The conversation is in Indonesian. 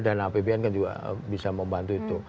dan apbn kan juga bisa membantu itu